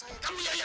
kamu tuh ngelupas